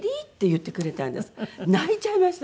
泣いちゃいました